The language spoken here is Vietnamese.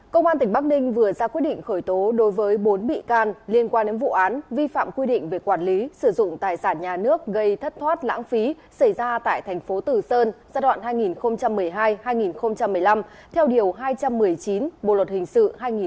công an tỉnh bắc ninh vừa ra quyết định khởi tố đối với bốn bị can liên quan đến vụ án vi phạm quy định về quản lý sử dụng tài sản nhà nước gây thất thoát lãng phí xảy ra tại thành phố tử sơn giai đoạn hai nghìn một mươi hai hai nghìn một mươi năm theo điều hai trăm một mươi chín bộ luật hình sự hai nghìn một mươi năm